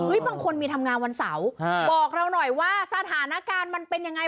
บางคนมีทำงานวันเสาร์บอกเราหน่อยว่าสถานการณ์มันเป็นยังไง